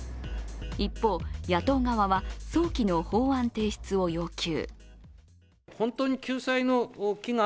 一方、野党側は早期の法案提出を要求。